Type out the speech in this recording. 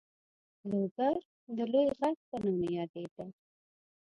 لوګر د لوی غر په نامه یادېده.